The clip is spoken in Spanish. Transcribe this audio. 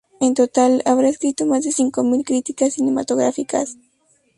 En total, habrá escrito más de cinco mil críticas cinematográficas.